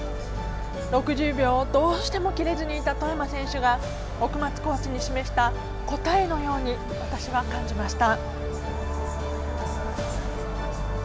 ６０秒をどうしても切れずにいた外山選手が奥松コーチに示した答えのように私は感じました。